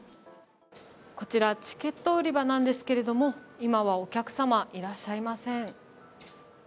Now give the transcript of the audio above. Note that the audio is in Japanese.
こちらチケット売り場なんですけれども、今はお客様いらっしゃいません。